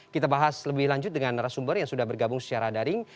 kita bahas lebih lanjut dengan narasumber yang sudah bergabung secara daring